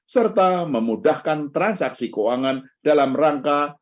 serta memudahkan transaksi keuangan dalam rangka